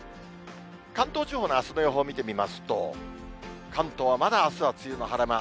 関東地方のあすの予報を見てみますと、関東はまだあすは梅雨の晴れ間。